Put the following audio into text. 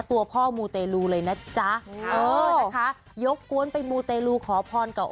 ตัวพ่อมูเตลูเลยนะจ๊ะเออนะคะยกกวนไปมูเตลูขอพรกับ